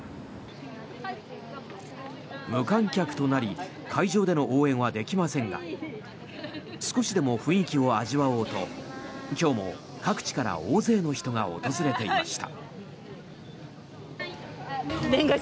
無観客となり会場での応援はできませんが少しでも雰囲気を味わおうと今日も各地から大勢の人が訪れていました。